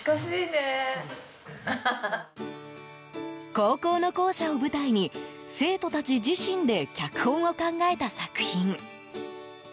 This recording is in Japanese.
高校の校舎を舞台に生徒たち自身で脚本を考えた作品。